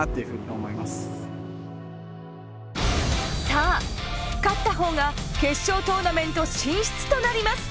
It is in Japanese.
さぁ勝った方が決勝トーナメント進出となります。